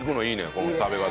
この食べ方。